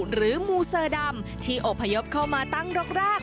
หรือมูเสอดำที่อพยพเข้ามาตั้งรกราก